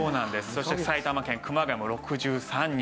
そして埼玉県熊谷も６３日。